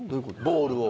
ボールを。